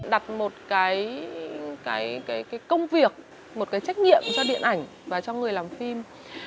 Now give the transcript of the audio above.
đặt một cái công việc một cái trách nhiệm cho điện ảnh và cho người làm phim